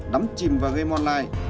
đắm chìm vào game online